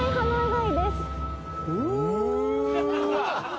うわ！